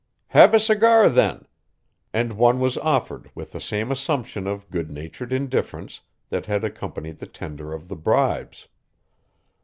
"Have a cigar, then," and one was offered with the same assumption of good natured indifference that had accompanied the tender of the bribes.